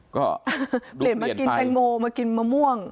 ก็เปลี่ยนมากินแตงโมมากินมะม่วง